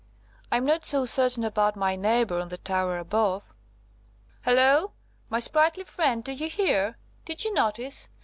I'm not so certain about my neighbour on the tower above. Halloo! my sprightly friend, do you hear? Did you notice?